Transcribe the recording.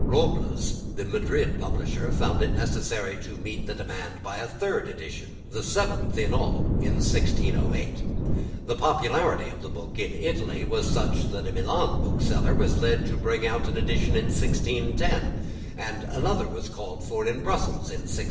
Robles, the Madrid publisher, found it necessary to meet the demand by a third edition, the seventh in all, in 1608. The popularity of the book in Italy was such that a Milan bookseller was led to bring out an edition in 1610; and another was called for in Brussels in 1611.